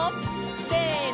せの！